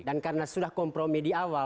dan karena sudah kompromi di awal